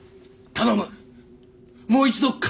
頼む！